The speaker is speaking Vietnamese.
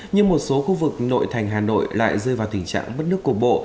nhưng một số khu vực nội thành hà nội lại rơi vào tình trạng bất nước cục bộ